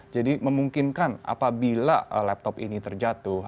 jadi memungkinkan apabila laptop ini terjatuh